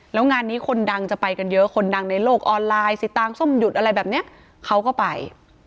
แล้วงานนี้คนดังจะไปกันเยอะคนดังในโลกออนไลน์สิตางส้มหยุดอะไรแบบนี้เขาก็ไป